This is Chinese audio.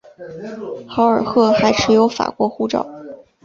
豪尔赫还持有法国护照。